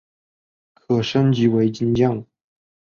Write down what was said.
可升级为金将。